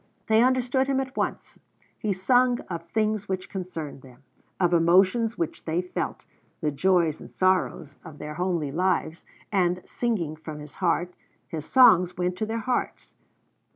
They understood him at once. He sung of things which concerned them, of emotions which they felt, the joys and sorrows of their homely lives, and, singing from his heart, his songs went to their hearts.